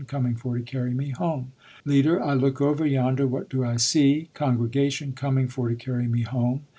Coming for to carry me home. Leader. I look over yonder, what do I see? Congregation. _Coming for to carry me home.